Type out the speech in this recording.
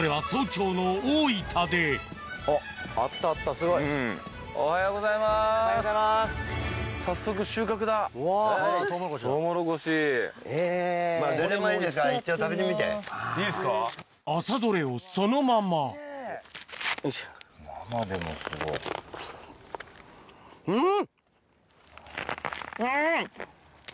朝採れをそのままうん！